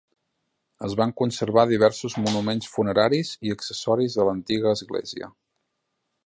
Es van conservar diversos monuments funeraris i accessoris de l'antiga església.